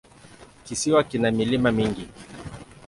Kisiwa kina milima mingi.